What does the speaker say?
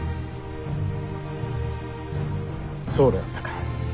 そうであったか。